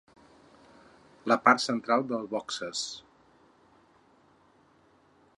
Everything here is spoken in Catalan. La part central dels boxes.